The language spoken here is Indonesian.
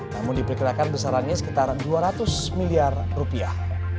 namun diperkirakan besarannya sekitar dua ratus miliar rupiah